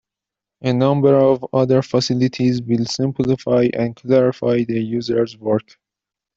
A number of other facilities will simplify and clarify the user's work.